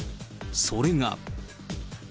それが。